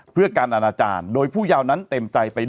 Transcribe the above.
เพื่อการอนาจารย์โดยผู้ยาวนั้นเต็มใจไป